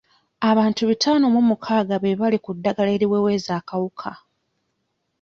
Abantu bitaano mu mukaaga be bali ku ddagala eriweweeza akawuka.